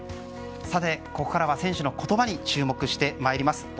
ここからは選手の言葉に注目してまいります。